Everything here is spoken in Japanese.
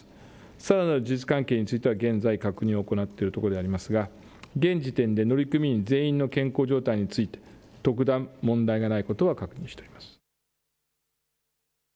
さらなる事実関係については、現在、確認を行っているところでありますが、現時点で乗組員全員の健康状態について、特段、問題がないことは確認しております。